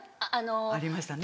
ありましたね。